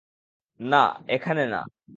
না, এখানে না।